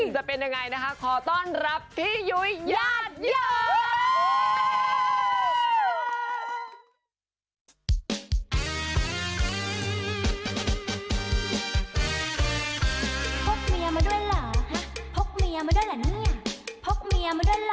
จะเป็นยังไงนะคะขอต้อนรับพี่ยุ้ยญาติเยอะ